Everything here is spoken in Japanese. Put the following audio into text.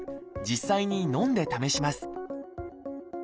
実際に飲んで試します